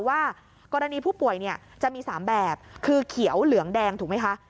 ว่ากรณีผู้ป่วยจะมี๓แบบคือเขียวเหลืองแดงถูกไหมคะ